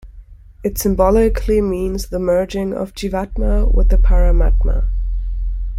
It symbolically means the merging of Jeevatma with the Paramatma.